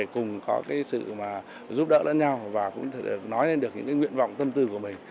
cùng có sự giúp đỡ lẫn nhau và cũng nói lên được những nguyện vọng tâm tư của mình